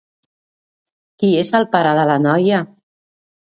Qui és el pare de la noia?